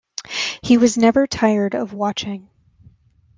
He was never tired of watching.